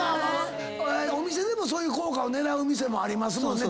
お店でもそういう効果を狙う店もありますもんね。